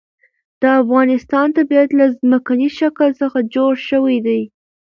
د افغانستان طبیعت له ځمکنی شکل څخه جوړ شوی دی.